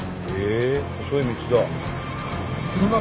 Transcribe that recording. ええ細い道だ。